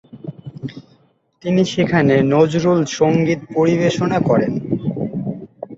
তিনি সেখানে নজরুল সঙ্গীত পরিবেশনা করেন।